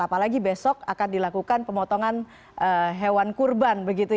apalagi besok akan dilakukan pemotongan hewan kurban